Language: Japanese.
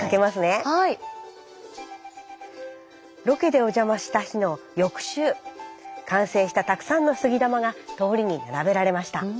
ロケでお邪魔した日の翌週完成したたくさんの杉玉が通りに並べられました。